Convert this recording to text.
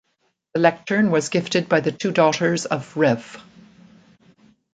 The lectern was gifted by the two daughters of Rev.